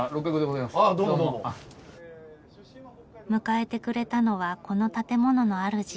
迎えてくれたのはこの建物のあるじ